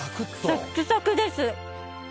サックサクです！